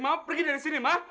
mama pergi dari sini ma